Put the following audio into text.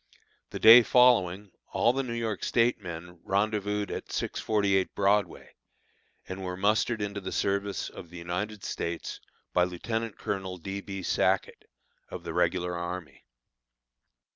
The day following all the New York State men rendezvoused at 648 Broadway, and were mustered into the service of the United States by Lieutenant colonel D. B. Sackett, of the regular army.